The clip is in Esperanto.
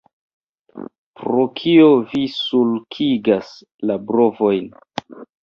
Pro kio vi sulkigas la brovojn?